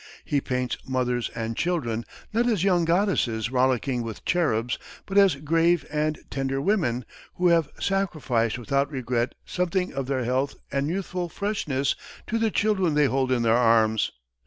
He paints mothers and children not as young goddesses rollicking with cherubs, but as grave and tender women, who have sacrificed without regret something of their health and youthful freshness to the children they hold in their arms.